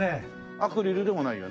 アクリルでもないよね。